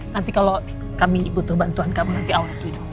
nanti kalau kami butuh bantuan kamu nanti awal kita panggil